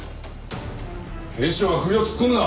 警視庁は首を突っ込むな！